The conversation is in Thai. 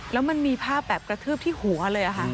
แล้วมันมีภาพแบบกระทืบที่หัวเลยค่ะ